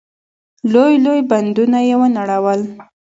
لوی لوی بندونه يې ونړول.